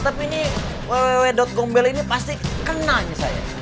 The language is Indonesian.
tapi ini wewe dot gombel ini pasti kenalnya saya